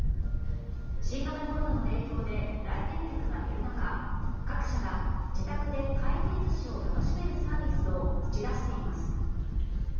新型コロナの影響で来店客が減る中各社が自宅で回転寿司を楽しめるサービスを打ち出しています。